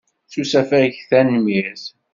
S usafag, tanemmirt.